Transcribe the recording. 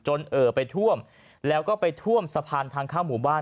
เอ่อไปท่วมแล้วก็ไปท่วมสะพานทางเข้าหมู่บ้าน